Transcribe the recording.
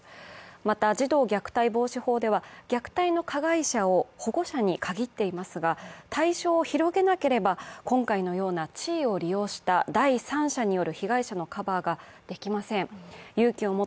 また、児童虐待防止法では虐待の加害者を保護者に限っていますが対象を広げなければ今回のような地位を利用した第三者による被害者のカバーができません。